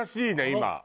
今。